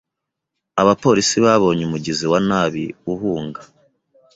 Abapolisi babonye umugizi wa nabi uhunga.